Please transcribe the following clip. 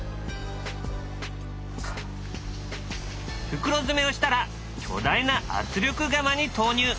袋詰めをしたら巨大な圧力釜に投入。